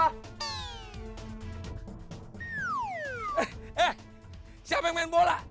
eh siapa yang main bola